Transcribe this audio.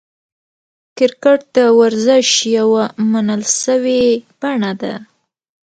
کرکټ د ورزش یوه منل سوې بڼه ده.